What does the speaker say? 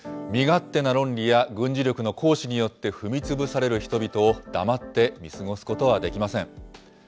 身勝手な論理や、軍事力の行使によって踏みつぶされる人々を、黙って見過ごすことはできません。